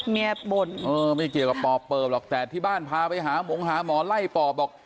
บ่นเออไม่เกี่ยวกับปอบเปิบหรอกแต่ที่บ้านพาไปหาหมงหาหมอไล่ปอบบอก